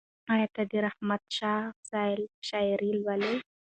ایا ته د رحمت شاه سایل شاعري لولې؟